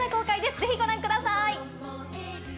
ぜひご覧ください。